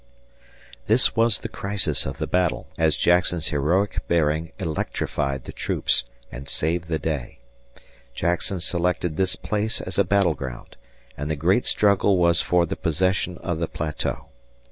This was the crisis of the battle, as Jackson's heroic bearing electrified the troops and saved the day. Jackson selected this place as a battleground, and the great struggle was for the possession of the plateau.